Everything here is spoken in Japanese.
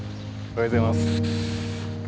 おはようございます。